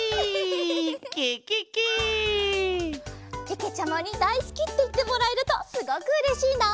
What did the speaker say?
けけちゃまにだいすきっていってもらえるとすごくうれしいな。